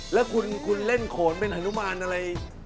แล้วคุณเล่นโขนเป็นฮนุมานอะไร